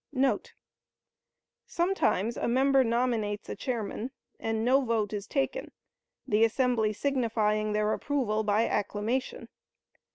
* [Sometimes a member nominates a chairman and no vote is taken, the assembly signifying their approval by acclamation.